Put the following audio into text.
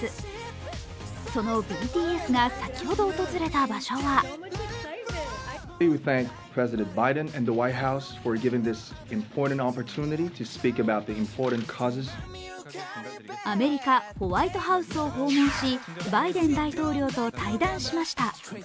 そのＢＴＳが先ほど訪れた場所はアメリカ・ホワイトハウスを訪問しバイデン大統領と対談しました。